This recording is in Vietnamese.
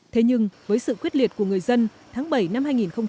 thế nhưng với sự quyết liệt của người dân tháng bảy năm hai nghìn một mươi tám